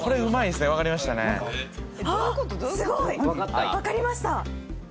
すごい！わかりました。